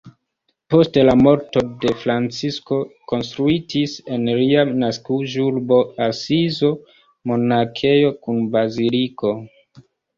Post la morto de Francisko konstruitis en lia naskiĝurbo Asizo monakejo kun baziliko.